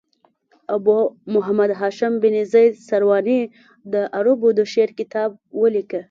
ابو محمد هاشم بن زید سرواني د عربو د شعر کتاب ولیکه.